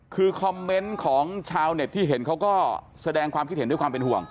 คือคอมเมนต์ของชาวเน็ตที่เห็นเขาก็แสดงความคิดเห็นด้วยความเป็นห่วง